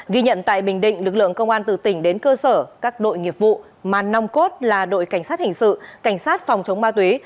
ghi nhận tại bình định lực lượng công an từ tỉnh đến cơ sở các đội nghiệp vụ mà nong cốt là đội cảnh sát hình sự cảnh sát phòng chống ma túy